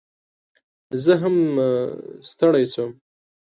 زه هم ستړي شوم